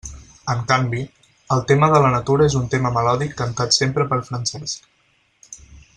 En canvi, el tema de la natura és un tema melòdic cantat sempre per Francesc.